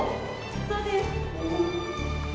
そうです。